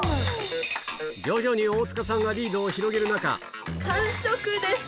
徐々に大塚さんがリードを広げる中完食です！